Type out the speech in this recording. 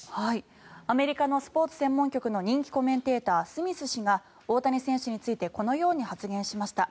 アメリカのスポーツ専門局の人気コメンテータースミス氏が、大谷選手についてこのように発言しました。